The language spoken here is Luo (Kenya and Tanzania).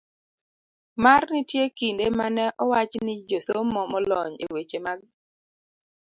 D. mar Nitie kinde ma ne owach ni josomo molony e weche mag